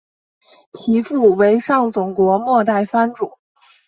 其父为上总国末代藩主。